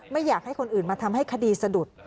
ไม่อยากให้คนอื่นมาทำให้คดีสะดุด